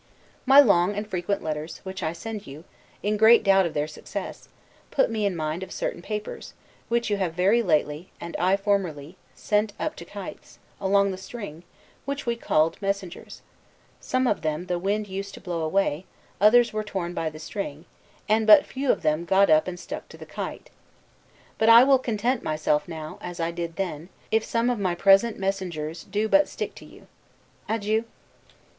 My long and frequent letters, which I send you, in great doubt of their success, put me in mind of certain papers, which you have very lately, and I formerly, sent up to kites, along the string, which we called messengers; some of them the wind used to blow away, others were torn by the string, and but few of them got up and stuck to the kite. But I will content myself now, as I did then, if some of my present messengers do but stick to you. Adieu!